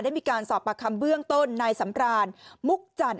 มีการสอบประคำเบื้องต้นนายสำรานมุกจันท